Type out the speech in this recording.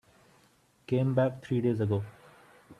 Came back three days ago.